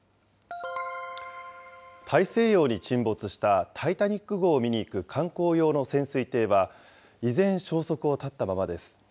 大西洋に沈没したタイタニック号を見に行く観光用の潜水艇は依然、消息を絶ったままです。